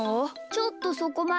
ちょっとそこまで。